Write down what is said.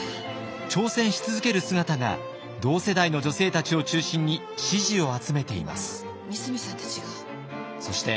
挑戦し続ける姿が同世代の女性たちを中心に支持を集めています。